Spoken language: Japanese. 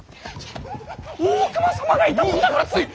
大隈様がいたもんだからつい。